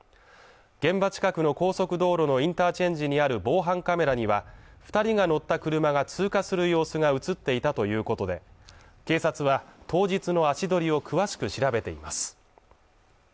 現場近くの高速道路のインターチェンジにある防犯カメラには二人が乗った車が通過する様子が映っていたということで警察は当日の足取りを詳しく調べています